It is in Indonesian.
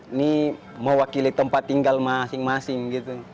ini mewakili tempat tinggal masing masing gitu